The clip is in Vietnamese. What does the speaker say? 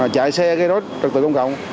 chạy xe gây rối trực tự công cộng